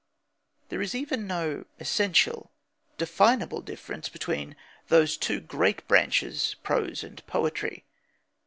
There is even no essential, definable difference between those two great branches, prose and poetry.